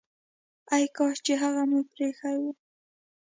ای کاش چي هغه مو پريښی وو!